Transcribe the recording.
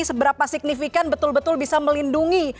seberapa signifikan betul betul bisa melindungi